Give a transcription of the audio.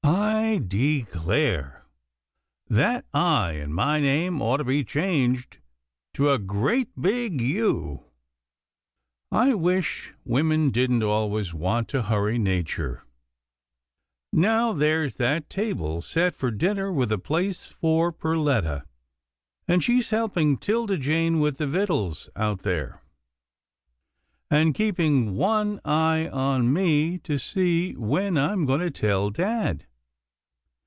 I de clare that I in my name ought to be changed to a great big U. I wish women didn't always want to hurry nature — Now there's that table set for din ner with a place for Perletta, and she's helping 'Tilda Jane with the victuals out there, and keeping one eye on me to see when I'm going to tell dad.